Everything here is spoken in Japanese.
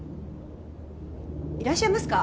いらっしゃいますか？